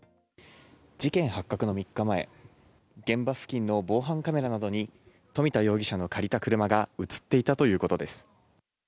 事件発覚の３日前現場付近の防犯カメラなどに冨田容疑者の借りた車が映っていたということです。